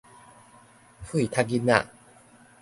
屁窒囡仔